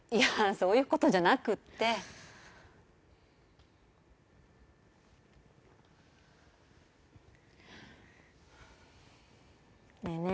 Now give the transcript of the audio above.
そういうことじゃなくってねえね